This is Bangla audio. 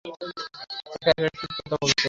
একা একা কী কথা বলছো?